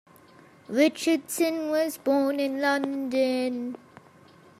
Richardson was born in London.